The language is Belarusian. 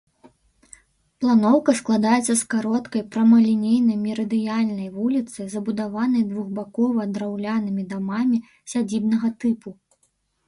Планоўка складаецца з кароткай прамалінейнай мерыдыянальнай вуліцы, забудаванай двухбакова драўлянымі дамамі сядзібнага тыпу.